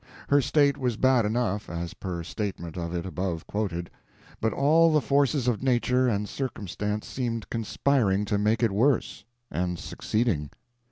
Her state was bad enough, as per statement of it above quoted; but all the forces of nature and circumstance seemed conspiring to make it worse—and succeeding.